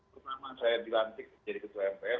pertama saya dilantik jadi ketua mpr